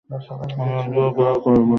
আমি অভিযোগ দায়ের করবোই।